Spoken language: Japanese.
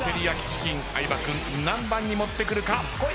チキン相葉君何番に持ってくるか？